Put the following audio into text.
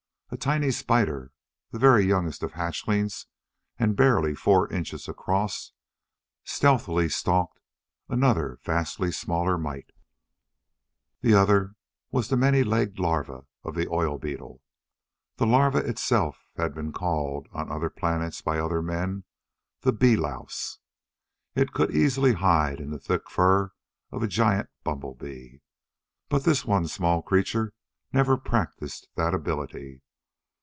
A tiny spider, the very youngest of hatchlings and barely four inches across, stealthily stalked another vastly smaller mite. The other was the many legged larva of the oil beetle. The larva itself had been called on other planets by other men the bee louse. It could easily hide in the thick furl of a giant bumble bee. But this one small creature never practiced that ability.